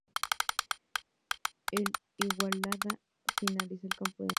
El Igualada finalizó el campeonato en sexta posición.